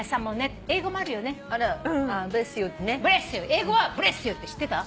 英語は「ブレスユー」って知ってた？